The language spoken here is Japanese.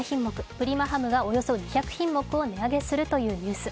プリマハムがおよそ２００品目を値上げするというニュース。